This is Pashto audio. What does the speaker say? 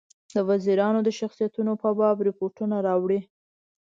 د وزیرانو د شخصیتونو په باب رپوټونه راوړي.